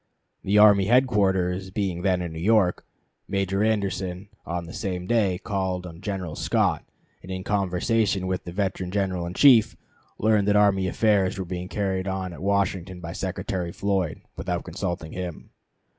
The army headquarters being then in New York, Major Anderson on the same day called on General Scott, and in conversation with the veteran General in Chief learned that army affairs were being carried on at Washington by Secretary Floyd, without consulting him.